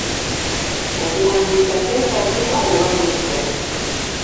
Okuwandiika kyetaagibwa oba nedda?